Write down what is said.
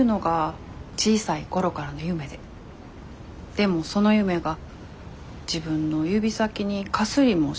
でもその夢が自分の指先にかすりもしないと思い知って。